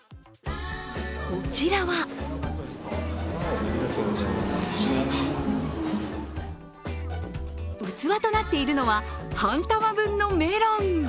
こちらは器となっているのは半玉分のメロン。